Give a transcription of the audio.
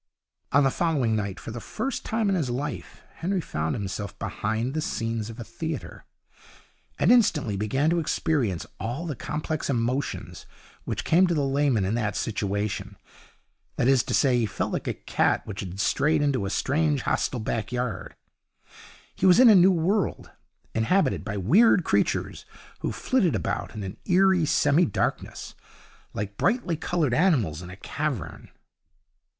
On the following night, for the first time in his life, Henry found himself behind the scenes of a theatre, and instantly began to experience all the complex emotions which come to the layman in that situation. That is to say, he felt like a cat which has strayed into a strange hostile back yard. He was in a new world, inhabited by weird creatures, who flitted about in an eerie semi darkness, like brightly coloured animals in a cavern.